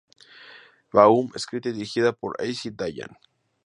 Baum", escrita y dirigida por Assi Dayan.